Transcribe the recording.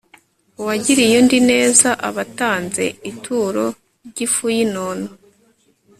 uwagiriye undi neza aba atanze ituro ry'ifu y'inono